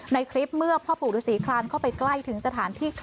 ในคลิปเมื่อพ่อปู่ฤษีคลานเข้าไปใกล้ถึงสถานที่